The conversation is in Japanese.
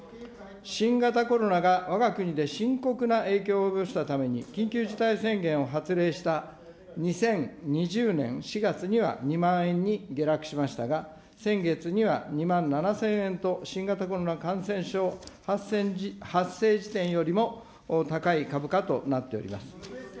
新型コロナがわが国で深刻な影響を及ぼしたために、緊急事態宣言を発令した２０２０年４月には２万円に下落しましたが、先月には２万７０００円と、新型コロナ感染症発生時点よりも高い株価となっております。